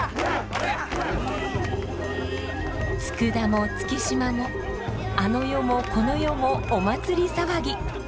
佃も月島もあの世もこの世もお祭り騒ぎ。